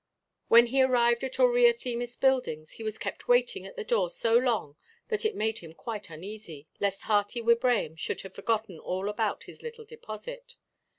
When he arrived at Aurea Themis Buildings, he was kept waiting at the door so long that it made him quite uneasy, lest Hearty Wibraham should have forgotten all about his little deposit.